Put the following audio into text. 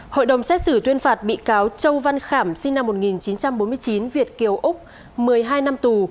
hội đồng xét xử tuyên phạt bị cáo châu văn khảm sinh năm một nghìn chín trăm bốn mươi chín việt kiều úc một mươi hai năm tù